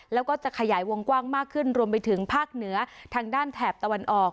แล้วก็จะขยายวงกว้างมากขึ้นรวมไปถึงภาคเหนือทางด้านแถบตะวันออก